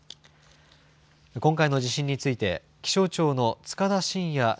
今回の地震について気象庁の束田進也